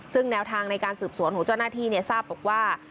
ซึ่งแนวทางในการสืบสวนของเจ้าหน้าที่ทราบบอกว่า